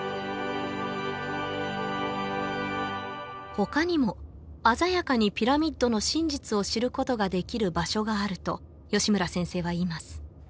他にも鮮やかにピラミッドの真実を知ることができる場所があると吉村先生は言います